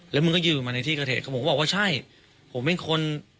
แล้วมึงก็ยืนมาในที่เกิดเหตุผมก็บอกว่าใช่ผมเป็นคน